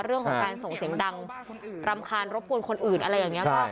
เรื่องของการส่งเสียงดังรำคาญรบกวนคนอื่นอะไรอย่างนี้